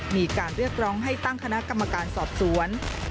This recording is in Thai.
มีการเรียกร้องให้ตั้งคณะกรรมการสอบสวน